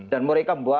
dan mereka banyak